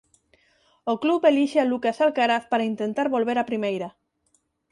O club elixe a Lucas Alcaraz para intentar volver a Primeira.